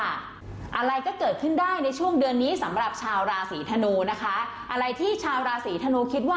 อะไรก็เกิดขึ้นได้ในช่วงเดือนนี้สำหรับชาวราศีธนูนะคะ